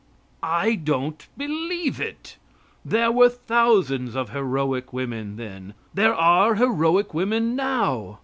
I don't believe it. There were thousands of heroic women then. There are heroic women now.